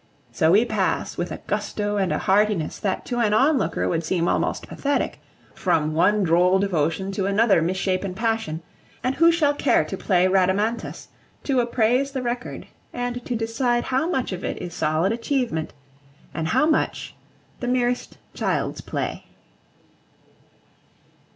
So we pass, with a gusto and a heartiness that to an onlooker would seem almost pathetic, from one droll devotion to another misshapen passion; and who shall care to play Rhadamanthus, to appraise the record, and to decide how much of it is solid achievement, and how much the merest child's play?